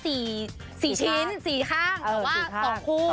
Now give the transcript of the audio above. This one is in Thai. สี่ชิ้นสี่ข้างแต่ว่าสองคู่